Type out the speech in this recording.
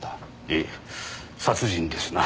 ええ殺人ですな。